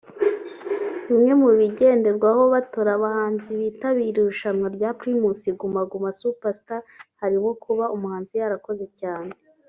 Bimwe mubigenderwaho batora abahanzi bitabira irushanwa rya Primus Guma Guma Super Star harimo kuba umuhanzi yarakoze cyane